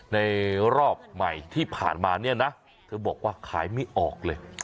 ในรอบใหม่ที่ผ่านมาเนี่ยนะเธอบอกว่าขายไม่ออกเลย